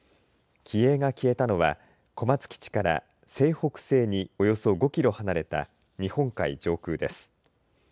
機影が消えたのは小松基地から西北西におよそ５キロ離れた日本海上空です。